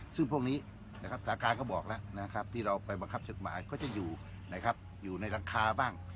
ซึ่งพวกนี้สาธารณ์ก็บอกแล้วที่เราไปบังคับชาติหมายก็จะอยู่ในรังคาบ้าง